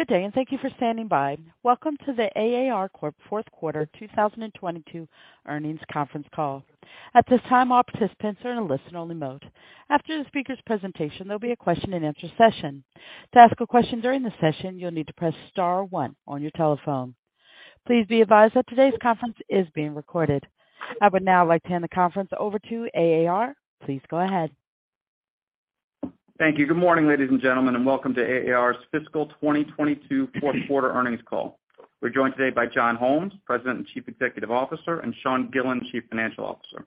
Good day, and thank you for standing by. Welcome to the AAR CORP Fourth Quarter 2022 Earnings Conference Call. At this time, all participants are in a listen-only mode. After the speaker's presentation, there'll be a question-and-answer session. To ask a question during the session, you'll need to press star one on your telephone. Please be advised that today's conference is being recorded. I would now like to hand the conference over to AAR. Please go ahead. Thank you. Good morning, ladies and gentlemen, and welcome to AAR's Fiscal 2022 Fourth Quarter Earnings Call. We're joined today by John Holmes, President and Chief Executive Officer, and Sean Gillen, Chief Financial Officer.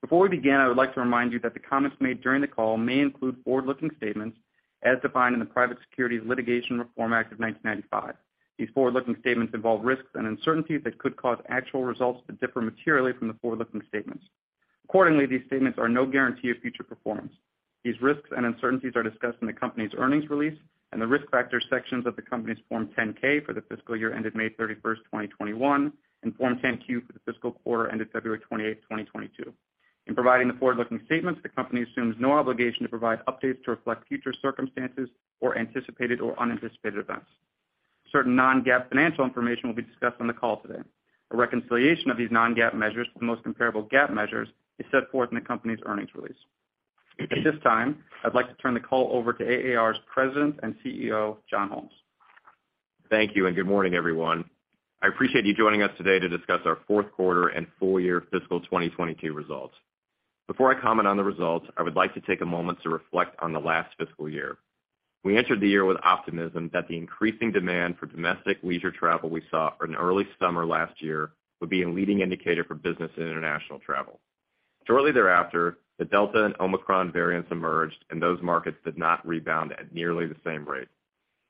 Before we begin, I would like to remind you that the comments made during the call may include forward-looking statements as defined in the Private Securities Litigation Reform Act of 1995. These forward-looking statements involve risks and uncertainties that could cause actual results to differ materially from the forward-looking statements. Accordingly, these statements are no guarantee of future performance. These risks and uncertainties are discussed in the company's earnings release and the Risk Factors sections of the company's Form 10-K for the fiscal year ended May 31st, 2021, and Form 10-Q for the fiscal quarter ended February 28, 2022. In providing the forward-looking statements, the company assumes no obligation to provide updates to reflect future circumstances or anticipated or unanticipated events. Certain non-GAAP financial information will be discussed on the call today. A reconciliation of these non-GAAP measures to the most comparable GAAP measures is set forth in the company's earnings release. At this time, I'd like to turn the call over to AAR's President and CEO, John Holmes. Thank you, and good morning, everyone. I appreciate you joining us today to discuss our fourth quarter and full year fiscal 2022 results. Before I comment on the results, I would like to take a moment to reflect on the last fiscal year. We entered the year with optimism that the increasing demand for domestic leisure travel we saw in early summer last year would be a leading indicator for business and international travel. Shortly thereafter, the Delta and Omicron variants emerged, and those markets did not rebound at nearly the same rate.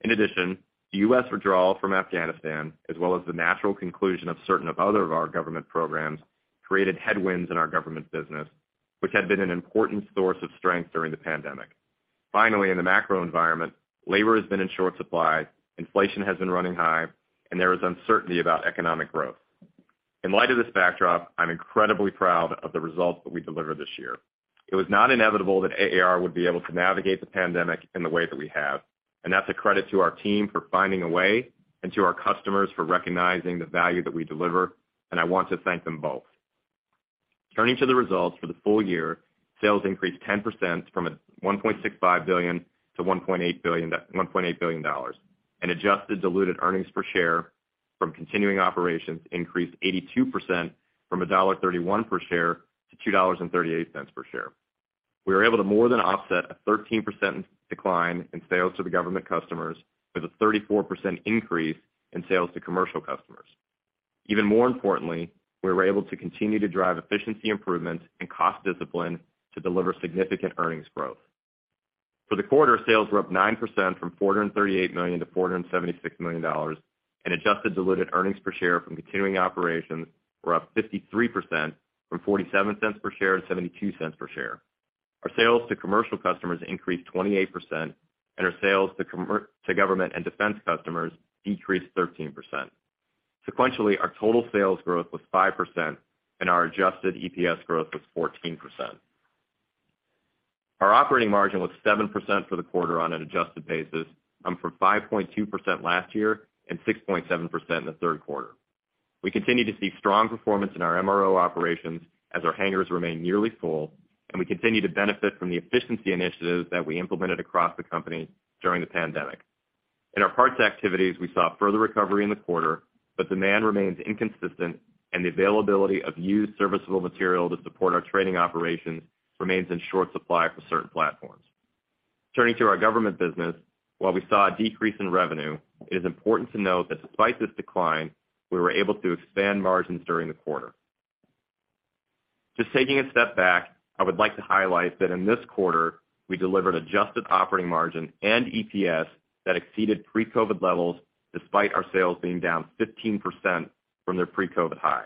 In addition, the U.S. withdrawal from Afghanistan, as well as the natural conclusion of certain other of our government programs, created headwinds in our government business, which had been an important source of strength during the pandemic. Finally, in the macro environment, labor has been in short supply, inflation has been running high, and there is uncertainty about economic growth. In light of this backdrop, I'm incredibly proud of the results that we delivered this year. It was not inevitable that AAR would be able to navigate the pandemic in the way that we have, and that's a credit to our team for finding a way and to our customers for recognizing the value that we deliver, and I want to thank them both. Turning to the results for the full year, sales increased 10% from $1.65 billion to $1.8 billion dollars, and adjusted diluted earnings per share from continuing operations increased 82% from $1.31 per share to $2.38 per share. We were able to more than offset a 13% decline in sales to the government customers with a 34% increase in sales to commercial customers. Even more importantly, we were able to continue to drive efficiency improvements and cost discipline to deliver significant earnings growth. For the quarter, sales were up 9% from $438 million-$476 million, and adjusted diluted earnings per share from continuing operations were up 53% from $0.47 per share to $0.72 per share. Our sales to commercial customers increased 28%, and our sales to government and defense customers decreased 13%. Sequentially, our total sales growth was 5%, and our adjusted EPS growth was 14%. Our operating margin was 7% for the quarter on an adjusted basis, up from 5.2% last year and 6.7% in the third quarter. We continue to see strong performance in our MRO operations as our hangars remain nearly full, and we continue to benefit from the efficiency initiatives that we implemented across the company during the pandemic. In our parts activities, we saw further recovery in the quarter, but demand remains inconsistent and the availability of used serviceable material to support our trading operations remains in short supply for certain platforms. Turning to our government business, while we saw a decrease in revenue, it is important to note that despite this decline, we were able to expand margins during the quarter. Just taking a step back, I would like to highlight that in this quarter, we delivered adjusted operating margin and EPS that exceeded pre-COVID levels despite our sales being down 15% from their pre-COVID high.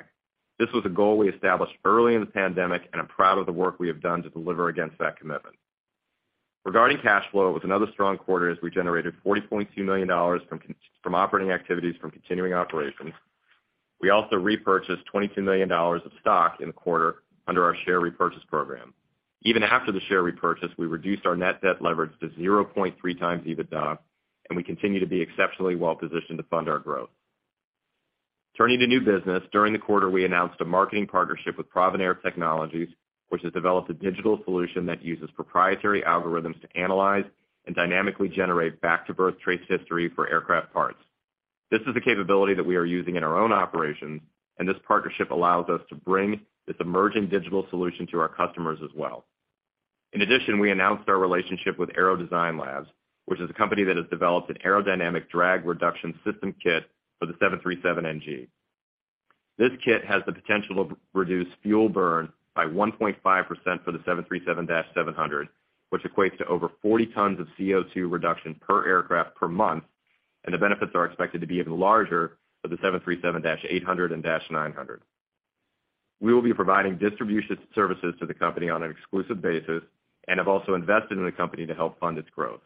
This was a goal we established early in the pandemic, and I'm proud of the work we have done to deliver against that commitment. Regarding cash flow, it was another strong quarter as we generated $40.2 million from operating activities from continuing operations. We also repurchased $22 million of stock in the quarter under our share repurchase program. Even after the share repurchase, we reduced our net debt leverage to 0.3x EBITDA, and we continue to be exceptionally well positioned to fund our growth. Turning to new business, during the quarter, we announced a marketing partnership with ProvenAir Technologies, which has developed a digital solution that uses proprietary algorithms to analyze and dynamically generate back to birth trace history for aircraft parts. This is a capability that we are using in our own operations, and this partnership allows us to bring this emerging digital solution to our customers as well. In addition, we announced our relationship with AeroDesign Labs, which is a company that has developed an aerodynamic drag reduction system kit for the 737NG. This kit has the potential to reduce fuel burn by 1.5% for the 737-700, which equates to over 40 tons of CO2 reduction per aircraft per month, and the benefits are expected to be even larger for the 737-800 and -900. We will be providing distribution services to the company on an exclusive basis and have also invested in the company to help fund its growth.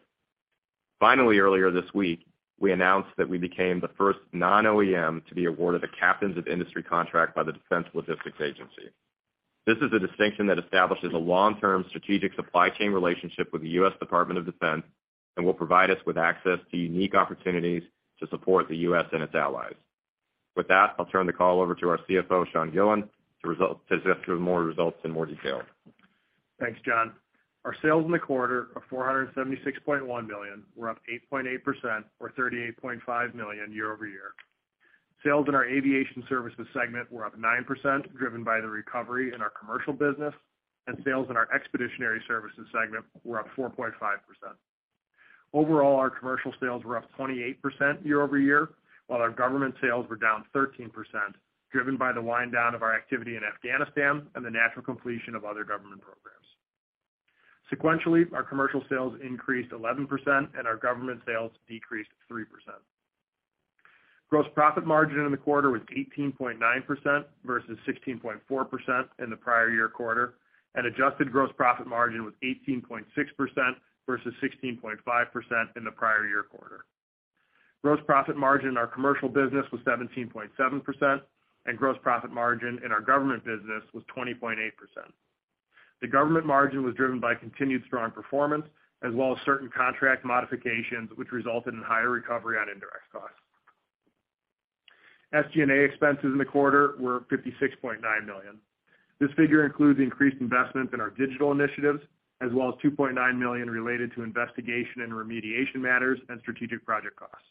Finally, earlier this week, we announced that we became the first non-OEM to be awarded a Captains of Industry Contract by the Defense Logistics Agency. This is a distinction that establishes a long-term strategic supply chain relationship with the U.S. Department of Defense, and will provide us with access to unique opportunities to support the U.S. and its allies. With that, I'll turn the call over to our CFO, Sean Gillen, to discuss more results in more detail. Thanks, John. Our sales in the quarter of $476.1 million were up 8.8% or $38.5 million year-over-year. Sales in our aviation services segment were up 9%, driven by the recovery in our commercial business, and sales in our expeditionary services segment were up 4.5%. Overall, our commercial sales were up 28% year-over-year, while our government sales were down 13%, driven by the wind down of our activity in Afghanistan and the natural completion of other government programs. Sequentially, our commercial sales increased 11%, and our government sales decreased 3%. Gross profit margin in the quarter was 18.9% versus 16.4% in the prior year quarter, and adjusted gross profit margin was 18.6% versus 16.5% in the prior year quarter. Gross profit margin in our commercial business was 17.7%, and gross profit margin in our government business was 20.8%. The government margin was driven by continued strong performance as well as certain contract modifications, which resulted in higher recovery on indirect costs. SG&A expenses in the quarter were $56.9 million. This figure includes increased investment in our digital initiatives as well as $2.9 million related to investigation and remediation matters and strategic project costs.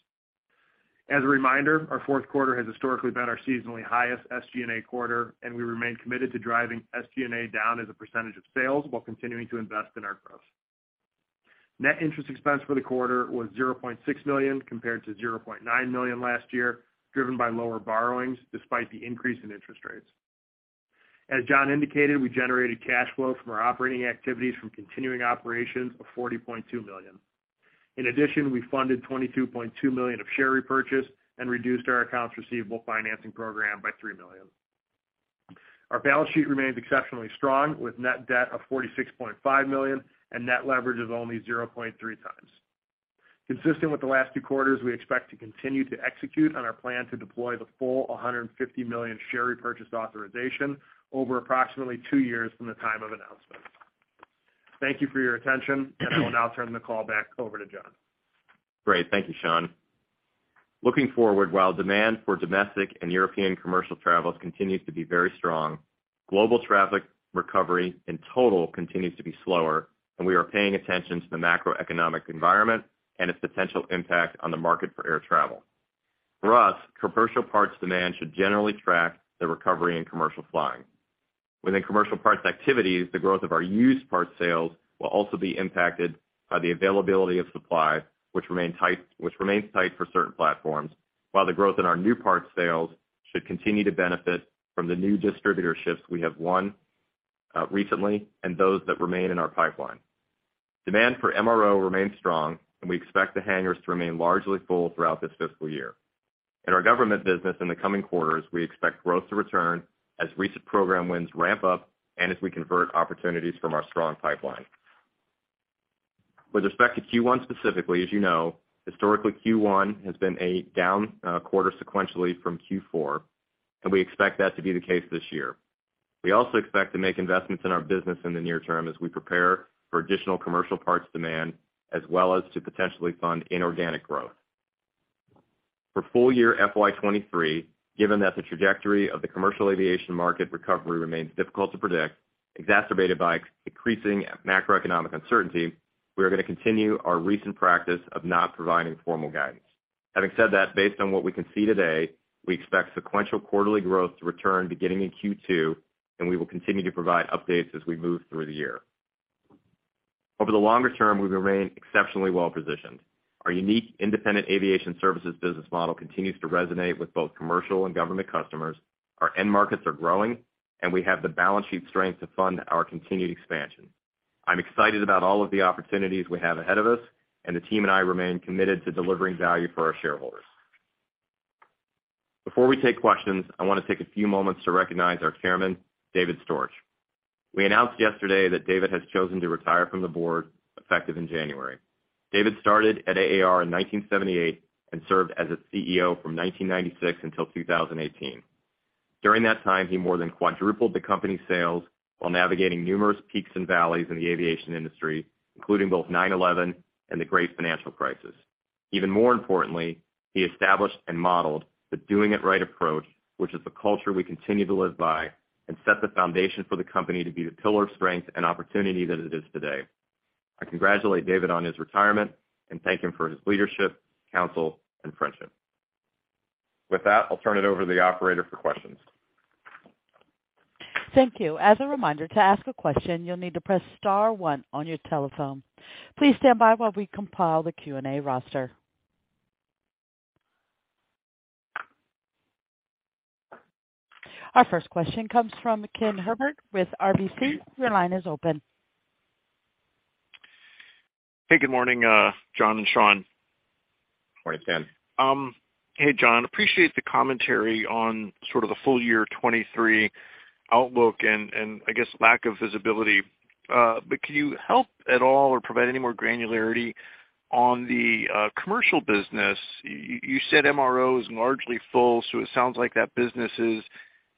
As a reminder, our fourth quarter has historically been our seasonally highest SG&A quarter, and we remain committed to driving SG&A down as a percentage of sales while continuing to invest in our growth. Net interest expense for the quarter was $0.6 million compared to $0.9 million last year, driven by lower borrowings despite the increase in interest rates. As John indicated, we generated cash flow from our operating activities from continuing operations of $40.2 million. In addition, we funded $22.2 million of share repurchase and reduced our accounts receivable financing program by $3 million. Our balance sheet remains exceptionally strong with net debt of $46.5 million and net leverage of only 0.3x. Consistent with the last two quarters, we expect to continue to execute on our plan to deploy the full 150 million share repurchase authorization over approximately two years from the time of announcement. Thank you for your attention, and I will now turn the call back over to John. Great. Thank you, Sean. Looking forward, while demand for domestic and European commercial travels continues to be very strong, global traffic recovery in total continues to be slower, and we are paying attention to the macroeconomic environment and its potential impact on the market for air travel. For us, commercial parts demand should generally track the recovery in commercial flying. Within commercial parts activities, the growth of our used parts sales will also be impacted by the availability of supply, which remains tight for certain platforms, while the growth in our new parts sales should continue to benefit from the new distributorships we have won, recently and those that remain in our pipeline. Demand for MRO remains strong, and we expect the hangars to remain largely full throughout this fiscal year. In our government business in the coming quarters, we expect growth to return as recent program wins ramp up and as we convert opportunities from our strong pipeline. With respect to Q1 specifically, as you know, historically, Q1 has been a down quarter sequentially from Q4, and we expect that to be the case this year. We also expect to make investments in our business in the near term as we prepare for additional commercial parts demand as well as to potentially fund inorganic growth. For full year FY 23, given that the trajectory of the commercial aviation market recovery remains difficult to predict, exacerbated by increasing macroeconomic uncertainty, we are gonna continue our recent practice of not providing formal guidance. Having said that, based on what we can see today, we expect sequential quarterly growth to return beginning in Q2, and we will continue to provide updates as we move through the year. Over the longer term, we remain exceptionally well positioned. Our unique independent aviation services business model continues to resonate with both commercial and government customers. Our end markets are growing, and we have the balance sheet strength to fund our continued expansion. I'm excited about all of the opportunities we have ahead of us, and the team and I remain committed to delivering value for our shareholders. Before we take questions, I wanna take a few moments to recognize our chairman, David Storch. We announced yesterday that David has chosen to retire from the board effective in January. David started at AAR in 1978 and served as its CEO from 1996 until 2018. During that time, he more than quadrupled the company's sales while navigating numerous peaks and valleys in the aviation industry, including both 9/11 and the great financial crisis. Even more importantly, he established and modeled the Doing It Right approach, which is the culture we continue to live by, and set the foundation for the company to be the pillar of strength and opportunity that it is today. I congratulate David on his retirement and thank him for his leadership, counsel, and friendship. With that, I'll turn it over to the operator for questions. Thank you. As a reminder, to ask a question, you'll need to press star one on your telephone. Please stand by while we compile the Q&A roster. Our first question comes from Ken Herbert with RBC. Your line is open. Hey, good morning, John and Sean. Morning, Ken. Hey, John. Appreciate the commentary on sort of the full year 2023 outlook and I guess lack of visibility. Can you help at all or provide any more granularity on the commercial business? You said MRO is largely full, so it sounds like that business is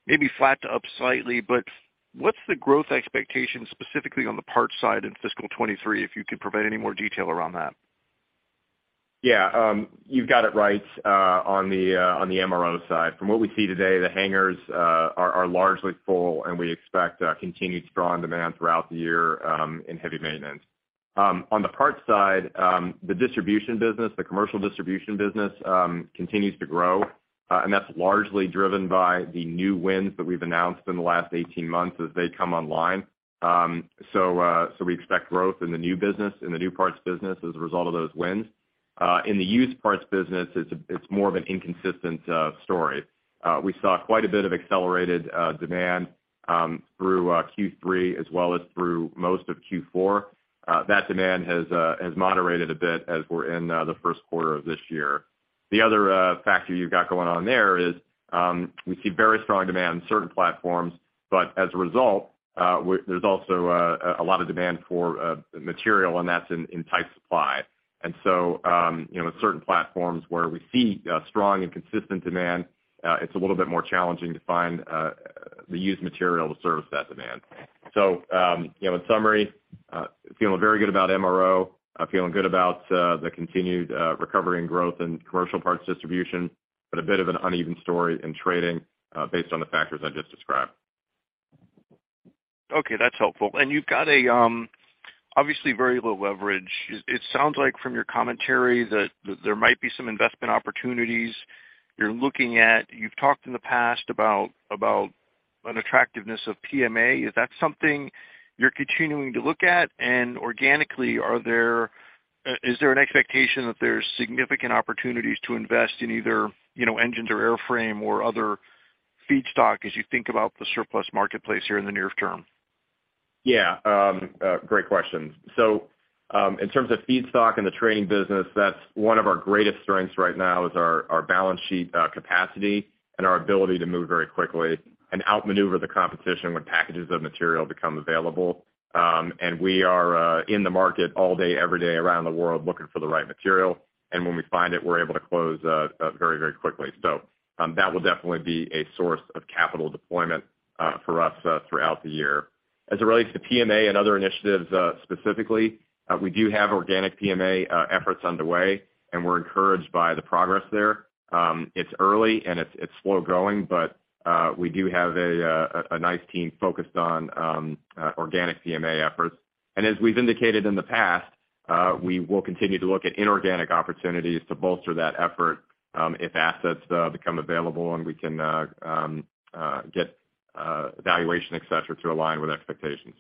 maybe flat to up slightly, but what's the growth expectation specifically on the parts side in fiscal 2023, if you could provide any more detail around that? Yeah. You've got it right on the MRO side. From what we see today, the hangars are largely full, and we expect continued strong demand throughout the year in heavy maintenance. On the parts side, the distribution business, the commercial distribution business, continues to grow, and that's largely driven by the new wins that we've announced in the last 18 months as they come online. We expect growth in the new business, in the new parts business as a result of those wins. In the used parts business, it's more of an inconsistent story. We saw quite a bit of accelerated demand through Q3 as well as through most of Q4. That demand has moderated a bit as we're in the first quarter of this year. The other factor you've got going on there is we see very strong demand in certain platforms, but as a result, there's also a lot of demand for material, and that's in tight supply. You know, with certain platforms where we see strong and consistent demand, it's a little bit more challenging to find the used material to service that demand. In summary, you know, feeling very good about MRO, feeling good about the continued recovery and growth in commercial parts distribution but a bit of an uneven story in trading based on the factors I just described. Okay, that's helpful. You've got a obviously very low leverage. It sounds like from your commentary that there might be some investment opportunities you're looking at. You've talked in the past about an attractiveness of PMA. Is that something you're continuing to look at? Organically, is there an expectation that there's significant opportunities to invest in either, you know, engines or airframe or other feedstock as you think about the surplus marketplace here in the near term? Yeah. Great questions. In terms of feedstock and the trading business, that's one of our greatest strengths right now is our balance sheet capacity and our ability to move very quickly and outmaneuver the competition when packages of material become available. We are in the market all day, every day around the world looking for the right material, and when we find it, we're able to close very, very quickly. That will definitely be a source of capital deployment for us throughout the year. As it relates to PMA and other initiatives, specifically, we do have organic PMA efforts underway, and we're encouraged by the progress there. It's early and it's slow-growing, but we do have a nice team focused on organic PMA efforts. As we've indicated in the past, we will continue to look at inorganic opportunities to bolster that effort, if assets become available, and we can get evaluation, et cetera, to align with expectations.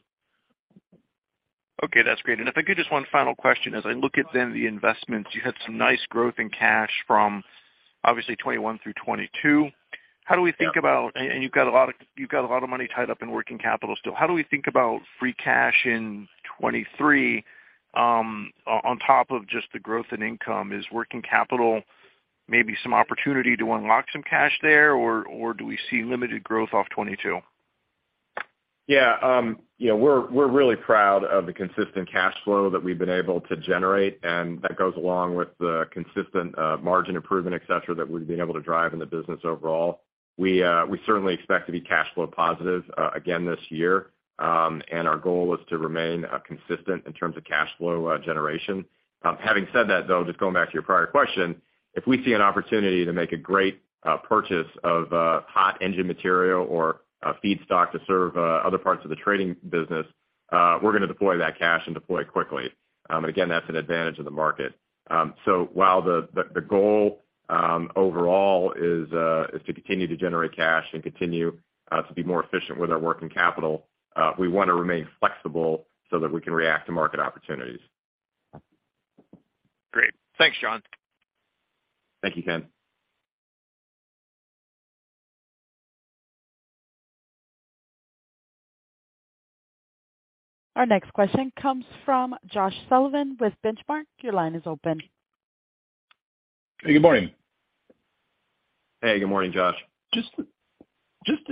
Okay, that's great. If I could, just one final question. As I look at then the investments, you had some nice growth in cash from obviously 2021 through 2022. How do we think about- Yeah. You've got a lot of money tied up in working capital still. How do we think about free cash in 2023, on top of just the growth in income? Is working capital maybe some opportunity to unlock some cash there or do we see limited growth off 2022? Yeah. You know, we're really proud of the consistent cash flow that we've been able to generate, and that goes along with the consistent margin improvement, et cetera, that we've been able to drive in the business overall. We certainly expect to be cash flow positive again this year. Our goal is to remain consistent in terms of cash flow generation. Having said that, though, just going back to your prior question, if we see an opportunity to make a great purchase of hot engine material or a feedstock to serve other parts of the trading business, we're gonna deploy that cash and deploy quickly. Again, that's an advantage of the market. While the goal overall is to continue to generate cash and continue to be more efficient with our working capital, we wanna remain flexible so that we can react to market opportunities. Great. Thanks, John. Thank you, Ken. Our next question comes from Josh Sullivan with Benchmark. Your line is open. Hey, good morning. Hey, good morning, Josh. Just,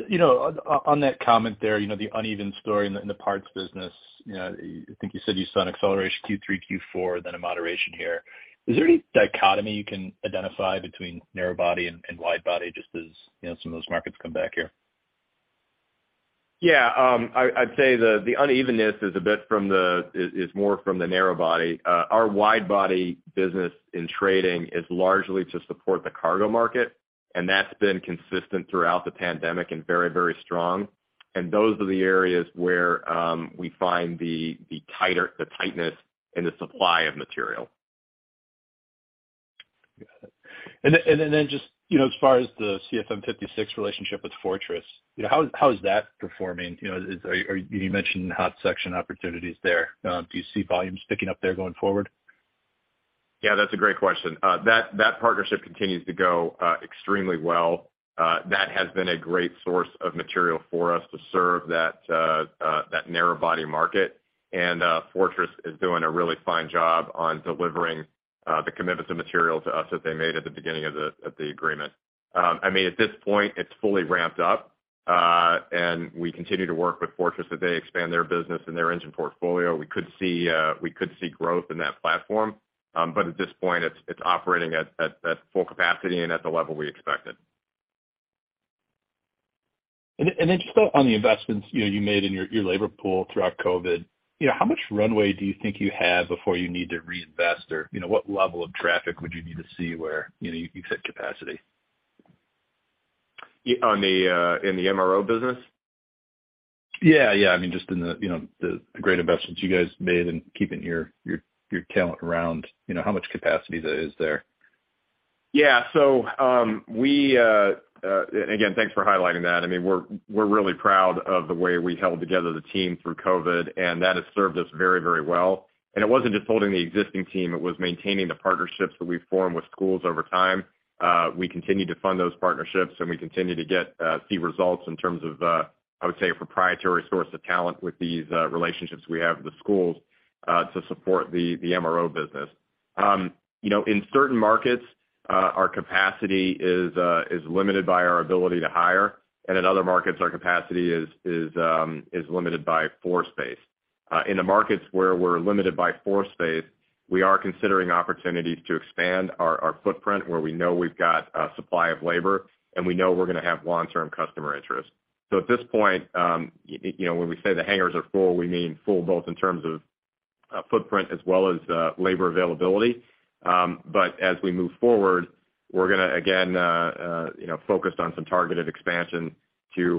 you know, on that comment there, you know, the uneven story in the parts business, you know, I think you said you saw an acceleration Q3, Q4, then a moderation here. Is there any dichotomy you can identify between narrow body and wide body just as, you know, some of those markets come back here? Yeah. I'd say the unevenness is a bit more from the narrow body. Our wide body business in trading is largely to support the cargo market, and that's been consistent throughout the pandemic and very, very strong. Those are the areas where we find the tightness in the supply of material. Got it. Just, you know, as far as the CFM56 relationship with Fortress, you know, how is that performing? You know, you mentioned hot section opportunities there. Do you see volume picking up there going forward? Yeah, that's a great question. That partnership continues to go extremely well. That has been a great source of material for us to serve that narrow body market. Fortress is doing a really fine job on delivering the commitments of material to us that they made at the beginning of the agreement. I mean, at this point, it's fully ramped up. We continue to work with Fortress as they expand their business and their engine portfolio. We could see growth in that platform. At this point, it's operating at full capacity and at the level we expected. Just on the investments, you know, you made in your labor pool throughout COVID. You know, how much runway do you think you have before you need to reinvest? Or, you know, what level of traffic would you need to see where, you know, you've hit capacity? In the MRO business? Yeah, yeah. I mean, just in the, you know, the great investments you guys made in keeping your talent around, you know, how much capacity is there? Again, thanks for highlighting that. I mean, we're really proud of the way we held together the team through COVID, and that has served us very, very well. It wasn't just holding the existing team, it was maintaining the partnerships that we formed with schools over time. We continue to fund those partnerships, and we continue to get to see results in terms of, I would say, a proprietary source of talent with these relationships we have with the schools to support the MRO business. You know, in certain markets, our capacity is limited by our ability to hire, and in other markets, our capacity is limited by floor space. In the markets where we're limited by floor space, we are considering opportunities to expand our footprint, where we know we've got a supply of labor, and we know we're gonna have long-term customer interest. At this point, you know, when we say the hangars are full, we mean full both in terms of footprint as well as labor availability. As we move forward, we're gonna again, you know, focus on some targeted expansion to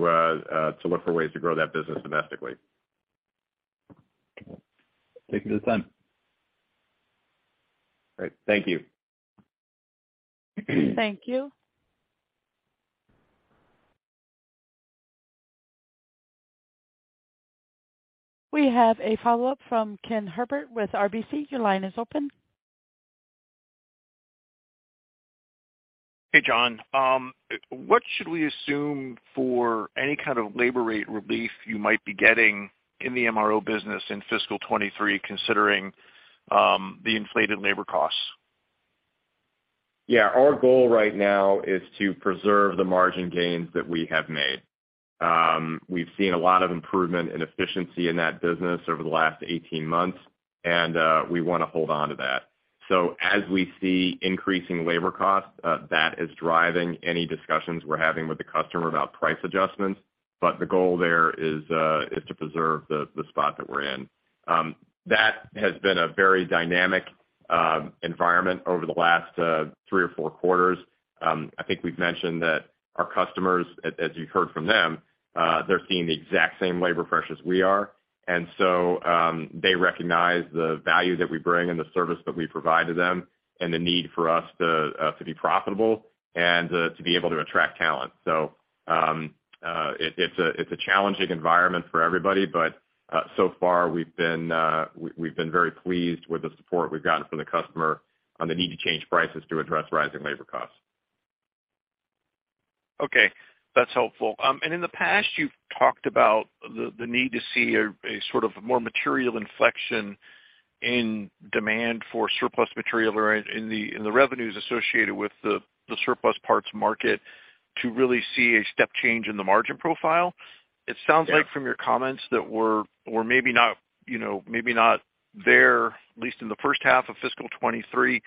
look for ways to grow that business domestically. Okay. Thank you for the time. All right. Thank you. Thank you. We have a follow-up from Ken Herbert with RBC. Your line is open. Hey, John. What should we assume for any kind of labor rate relief you might be getting in the MRO business in fiscal 2023, considering the inflated labor costs? Yeah. Our goal right now is to preserve the margin gains that we have made. We've seen a lot of improvement in efficiency in that business over the last 18 months, and we wanna hold on to that. As we see increasing labor costs, that is driving any discussions we're having with the customer about price adjustments, but the goal there is to preserve the spot that we're in. That has been a very dynamic environment over the last three or four quarters. I think we've mentioned that our customers, as you heard from them, they're seeing the exact same labor pressures we are. They recognize the value that we bring and the service that we provide to them and the need for us to be profitable and to be able to attract talent. It's a challenging environment for everybody, but so far we've been very pleased with the support we've gotten from the customer on the need to change prices to address rising labor costs. Okay, that's helpful. In the past, you've talked about the need to see a sort of more material inflection in demand for surplus material or in the revenues associated with the surplus parts market to really see a step change in the margin profile. Yeah. It sounds like from your comments that we're maybe not, you know, maybe not there, at least in the first half of fiscal 2023.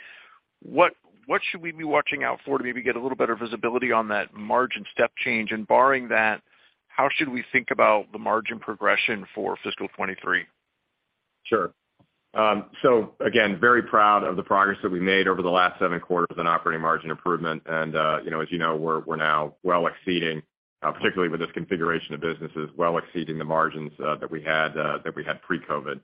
What should we be watching out for to maybe get a little better visibility on that margin step change? Barring that, how should we think about the margin progression for fiscal 2023? Sure. So again, very proud of the progress that we made over the last seven quarters in operating margin improvement. You know, as you know, we're now well exceeding, particularly with this configuration of businesses, well exceeding the margins that we had pre-COVID.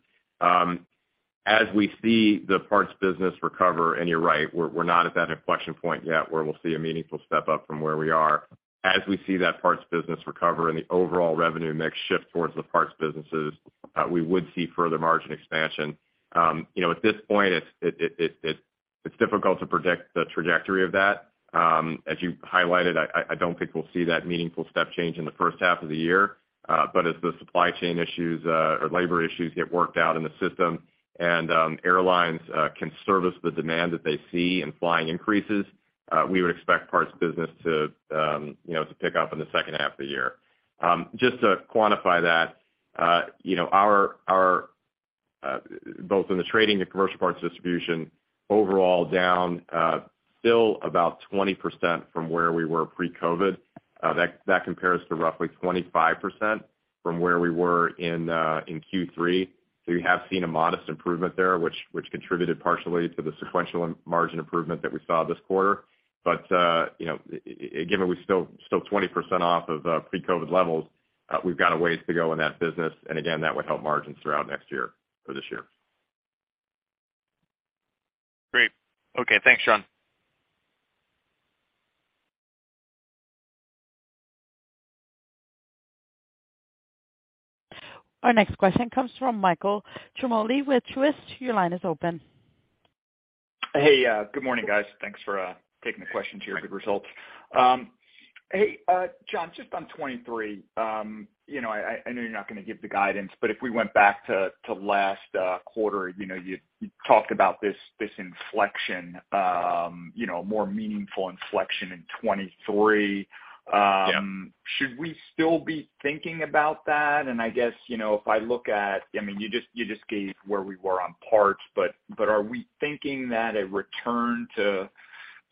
As we see the parts business recover, and you're right, we're not at that inflection point yet where we'll see a meaningful step up from where we are. As we see that parts business recover and the overall revenue mix shift towards the parts businesses, we would see further margin expansion. You know, at this point, it's difficult to predict the trajectory of that. As you highlighted, I don't think we'll see that meaningful step change in the first half of the year. As the supply chain issues or labor issues get worked out in the system and airlines can service the demand that they see in flying increases, we would expect parts business to, you know, to pick up in the second half of the year. Just to quantify that, you know, our both in the trading and commercial parts distribution overall down still about 20% from where we were pre-COVID. That compares to roughly 25% from where we were in Q3. We have seen a modest improvement there, which contributed partially to the sequential margin improvement that we saw this quarter. You know, given we're still 20% off of pre-COVID levels, we've got a ways to go in that business, and again, that would help margins throughout next year or this year. Great. Okay. Thanks, John. Our next question comes from Michael Ciarmoli with Truist. Your line is open. Hey, good morning, guys. Thanks for taking the question and your good results. Hey, John, just on 2023. You know, I know you're not gonna give the guidance, but if we went back to last quarter, you know, you talked about this inflection, you know, more meaningful inflection in 2023. Yeah. Should we still be thinking about that? I guess, you know, if I look at, I mean, you just gave where we were on parts but are we thinking that a return to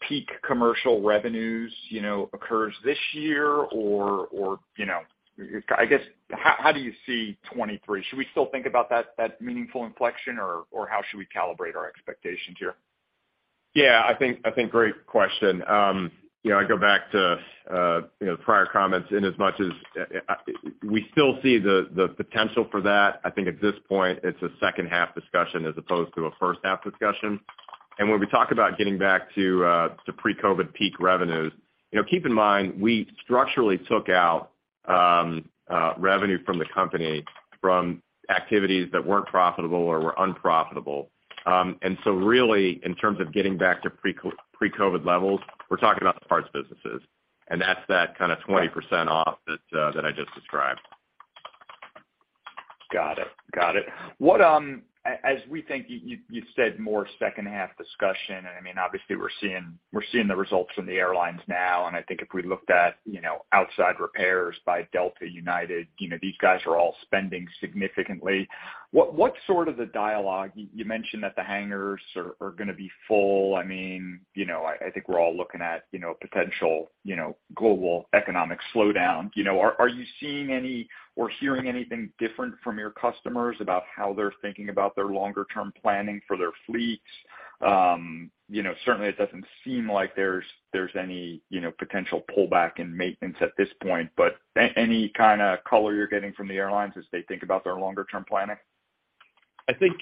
peak commercial revenues, you know, occurs this year or, you know, I guess, how do you see 2023? Should we still think about that meaningful inflection or how should we calibrate our expectations here? Yeah. I think great question. You know, I go back to you know, the prior comments inasmuch as we still see the potential for that. I think at this point, it's a second half discussion as opposed to a first half discussion. When we talk about getting back to pre-COVID peak revenues, you know, keep in mind, we structurally took out revenue from the company from activities that weren't profitable or were unprofitable. Really, in terms of getting back to pre-COVID levels, we're talking about the parts businesses, and that's that kind of 20% off that I just described. Got it. As we think, you said more second half discussion, and I mean, obviously we're seeing the results from the airlines now, and I think if we looked at, you know, outside repairs by Delta, United, you know, these guys are all spending significantly. What sort of the dialogue. You mentioned that the hangars are gonna be full. I mean, you know, I think we're all looking at, you know, potential, you know, global economic slowdown. You know, are you seeing any or hearing anything different from your customers about how they're thinking about their longer term planning for their fleets? You know, certainly it doesn't seem like there's any, you know, potential pullback in maintenance at this point but any kinda color you're getting from the airlines as they think about their longer term planning? I think,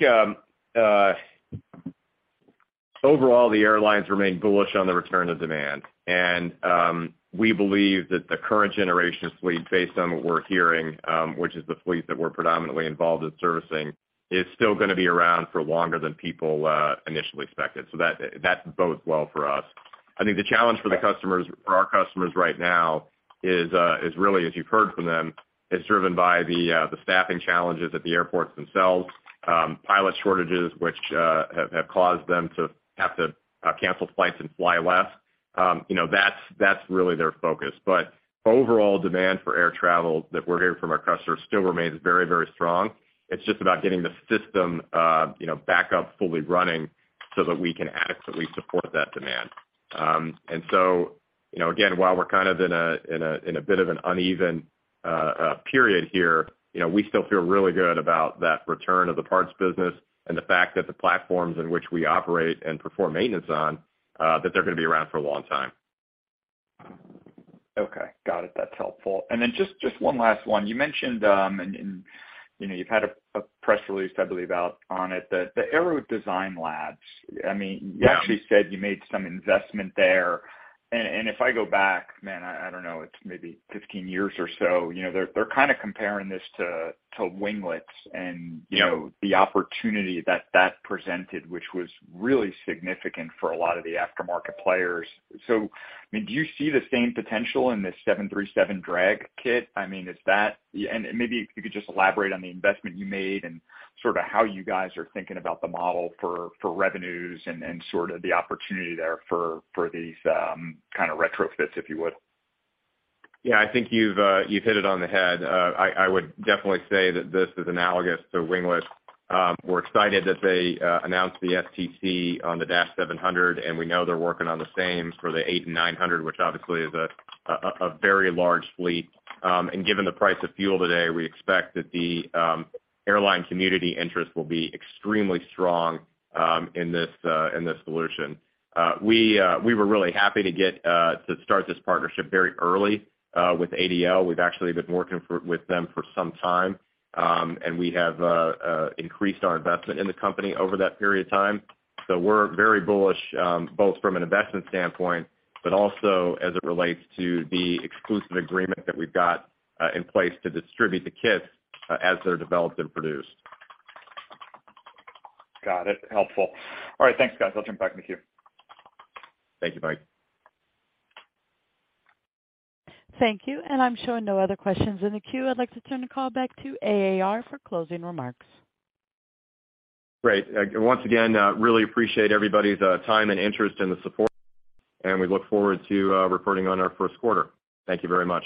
overall, the airlines remain bullish on the return of demand. We believe that the current generation fleet, based on what we're hearing, which is the fleet that we're predominantly involved with servicing is still gonna be around for longer than people initially expected. That bodes well for us. I think the challenge for the customers, for our customers right now is really, as you've heard from them, driven by the staffing challenges at the airports themselves, pilot shortages which have caused them to have to cancel flights and fly less. You know, that's really their focus. Overall demand for air travel that we're hearing from our customers still remains very strong. It's just about getting the system, you know, back up fully running so that we can adequately support that demand. You know, again, while we're kind of in a bit of an uneven period here, you know, we still feel really good about that return of the parts business and the fact that the platforms in which we operate and perform maintenance on, that they're gonna be around for a long time. Okay. Got it. That's helpful. Then just one last one. You mentioned and you know, you've had a press release, I believe, out on it, the Aero Design Labs. I mean. Yeah. You actually said you made some investment there. If I go back, man, I don't know, it's maybe 15 years or so, you know, they're kinda comparing this to winglets and, you know- Yeah The opportunity that presented, which was really significant for a lot of the aftermarket players. I mean, do you see the same potential in this 737 drag kit? I mean, is that. Maybe if you could just elaborate on the investment you made and sorta how you guys are thinking about the model for revenues and sorta the opportunity there for these kinda retrofits, if you would. Yeah. I think you've hit it on the head. I would definitely say that this is analogous to winglets. We're excited that they announced the STC on the -700, and we know they're working on the same for the 800 and 900, which obviously is a very large fleet. Given the price of fuel today, we expect that the airline community interest will be extremely strong in this solution. We were really happy to get to start this partnership very early with ADL. We've actually been working with them for some time, and we have increased our investment in the company over that period of time. We're very bullish, both from an investment standpoint, but also as it relates to the exclusive agreement that we've got in place to distribute the kits, as they're developed and produced. Got it. Helpful. All right. Thanks, guys. I'll turn it back to the queue. Thank you, Mike. Thank you. I'm showing no other questions in the queue. I'd like to turn the call back to AAR for closing remarks. Great. Once again, really appreciate everybody's time and interest and the support, and we look forward to reporting on our first quarter. Thank you very much.